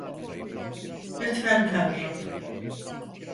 Lütfen Tanrım.